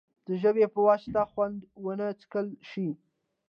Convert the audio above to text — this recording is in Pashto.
د ژبې په واسطه خوند ونه څکل شي.